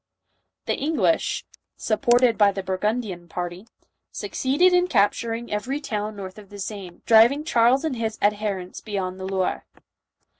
The English, supported by the Burgundian party, succeeded in capturing every town north of the Seine, driving Charles and his adherents beyond the Loire.